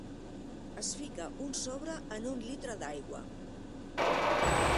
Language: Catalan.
Es fica un sobre en un litre d'aigua.